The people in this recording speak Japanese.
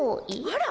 あら！！